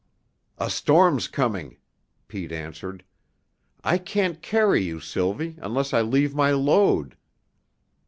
"A storm's coming," Pete answered. "I can't carry you, Sylvie, unless I leave my load."